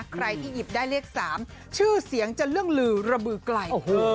ใครที่หยิบได้เลข๓ชื่อเสียงจะเรื่องลือระบือไกล